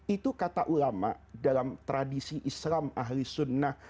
itu kata ulama dalam tradisi islam ahli sunnah